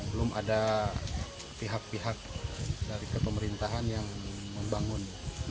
belum ada pihak pihak dari kepemerintahan yang membangun